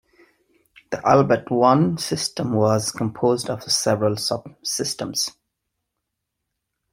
The Albert One system was composed of several subsystems.